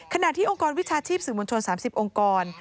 ขณะที่องค์กรวิชาชีพสื่อมวลชน๓๐องค์กร